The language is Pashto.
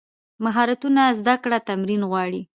مهارتونه زده کړه تمرین غواړي.